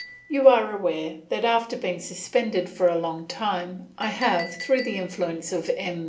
You are aware that after being suspended for a long time, I have, through the influence of M.